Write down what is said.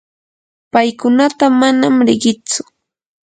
paykunata manam riqitsu.